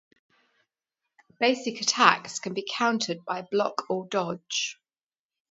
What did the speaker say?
Basic Attacks can be countered by Block or Dodge.